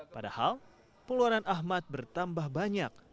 padahal peluangan ahmad bertambah banyak